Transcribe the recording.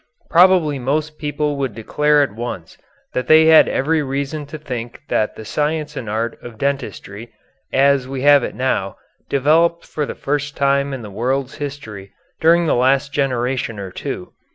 Probably most people would declare at once that they had every reason to think that the science and art of dentistry, as we have it now, developed for the first time in the world's history during the last generation or two.